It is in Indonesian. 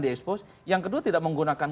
di expose yang kedua tidak menggunakan